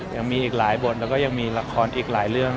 ยังมีอีกหลายบทแล้วก็ยังมีละครอีกหลายเรื่อง